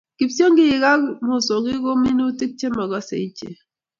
Kipshongik ak mosongik ko minutik che mokosei ichet